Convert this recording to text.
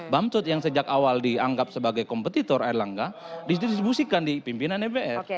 bamsud yang sejak awal dianggap sebagai kompetitor air langga disistribusikan di pimpinan epr